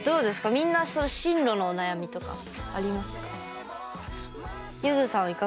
みんな、その進路のお悩みとかありますか？